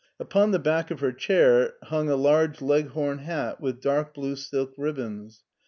Upon the back of her chair hung a large leghorn hat with dark blue silk ribbons.